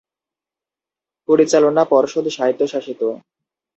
পরিচালনা পর্ষদ স্বায়ত্বশাসিত।